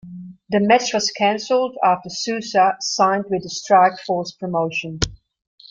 The match was canceled after Souza signed with the Strikeforce promotion.